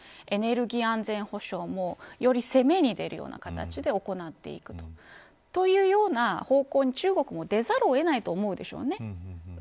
エネルギー安全保障もより攻めに出るような形で行っていくというような方向に中国も出ざるを得ないと思うでしょうね。